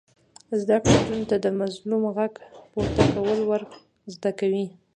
زده کړه نجونو ته د مظلوم غږ پورته کول ور زده کوي.